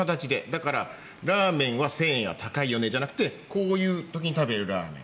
だから、ラーメンは１０００円は高いよねじゃなくてこういう時に食べるラーメン